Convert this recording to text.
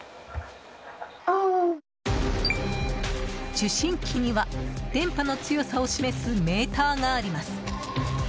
受信機には、電波の強さを示すメーターがあります。